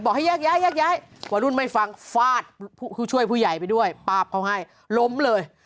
ให้แยกย้ายแยกย้ายวัยรุ่นไม่ฟังฟาดผู้ช่วยผู้ใหญ่ไปด้วยปาบเขาให้ล้มเลย